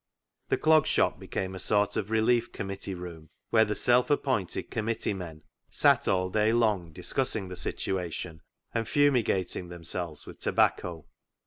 The Clog Shop became a sort of relief committee room, where the self AN ATONEMENT 21 appointed committee men sat all day long discussing the situation, and fumigating them selves with tobacco.